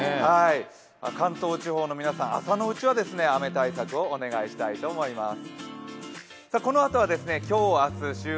関東地方の皆さん、朝のうちは雨対策をお願いしたいと思います。